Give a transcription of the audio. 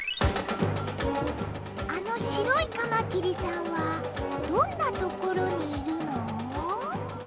あのしろいかまきりさんはどんなところにいるの？